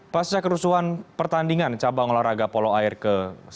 pasca kerusuhan pertandingan cabang olahraga polo air ke sembilan belas